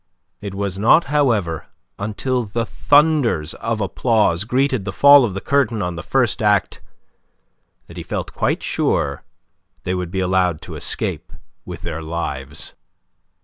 It was not, however, until the thunders of applause greeted the fall of the curtain on the first act that he felt quite sure they would be allowed to escape with their lives.